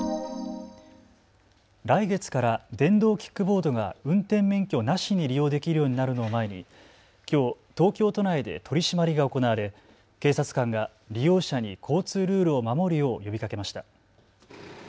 来月から電動キックボードが運転免許なしに利用できるようになるのを前にきょう東京都内で取締りが行われ警察官が利用者に交通ルールを守るよう呼びかけました。